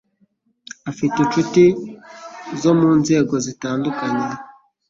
Afite inshuti zo mu nzego zitandukanye.